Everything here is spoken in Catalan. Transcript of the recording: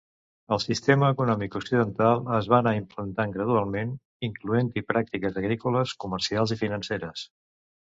El sistema econòmic occidental es va anar implantant gradualment, incloent-hi pràctiques agrícoles, comercials i financeres.